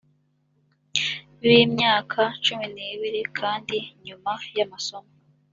b imyaka cumi n ibiri kandi nyuma y amasomo